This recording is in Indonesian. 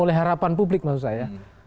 oleh harapan publik maksud saya